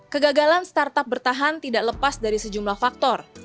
kegagalan startup bertahan tidak lepas dari sejumlah faktor